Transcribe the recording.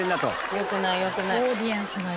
よくないよくない。